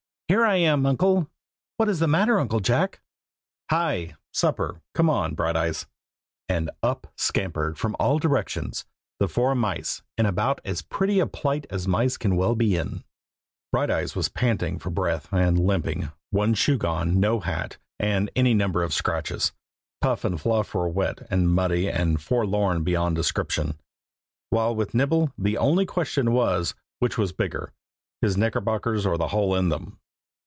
"Here I am, Uncle!" "What is the matter, Uncle Jack?" "Hi! supper! come on, Brighteyes!" and up scampered from all directions, the four mice in about as pretty a plight as mice can well be in. Brighteyes was panting for breath and limping, one shoe gone, no hat, and any number of scratches. Puff and Fluff were wet, and muddy, and forlorn beyond description; while with Nibble the only question was, which was bigger, his knickerbockers or the hole in them.